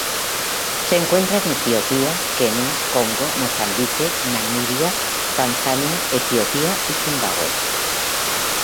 Se encuentra en Etiopía Kenia Congo Mozambique Namibia Tanzania Etiopía y Zimbabue.